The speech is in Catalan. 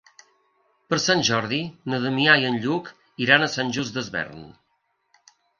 Per Sant Jordi na Damià i en Lluc iran a Sant Just Desvern.